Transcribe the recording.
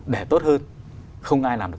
để tốt hơn không ai làm được